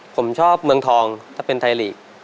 ผมชอบเมืองทองถ้าเป็นไทยลีก